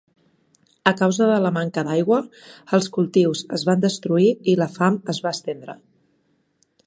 A causa de la manca d'aigua, els cultius es van destruir i la fam es va estendre.